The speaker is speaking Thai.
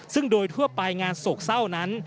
ซึ่งโดยทั่วไปงานโศกเศร้านั้น